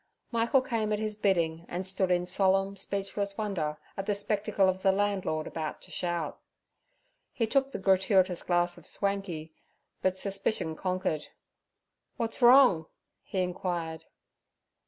Michael came at his bidding and stood in solemn, speechless wonder at the spectacle of the landlord about to shout. He took the gratuitous glass of swanky, but suspicion conquered. 'What's wrong?' he inquired.